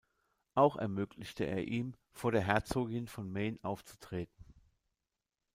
Auch ermöglichte er ihm, vor der Herzogin von Maine aufzutreten.